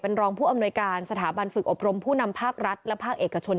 รองผู้อำนวยการสถาบันฝึกอบรมผู้นำภาครัฐและภาคเอกชน